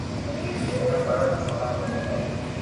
ٿني پڙي تو ھڻَاوي لي ڀائي